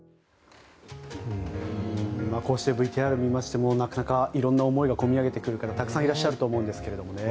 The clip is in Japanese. こうしてＶＴＲ見ましてもいろんな思いがこみ上げる方たくさんいらっしゃると思いますね。